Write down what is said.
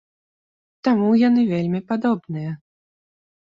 Таму яны вельмі падобныя.